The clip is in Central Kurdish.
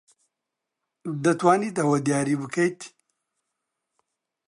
دەتوانیت ئەوە دیاری بکەیت؟